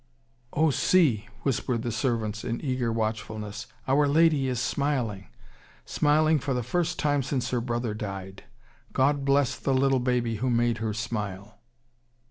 "Oh, see," whispered the servants in eager watchfulness, "our lady is smiling, smiling for the first time since her brother died. God bless the little baby who made her smile!"